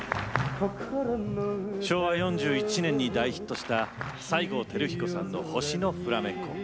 昭和４１年に大ヒットした西郷輝彦さんの「星のフラメンコ」。